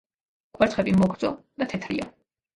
კვერცხები მოგრძო და თეთრია.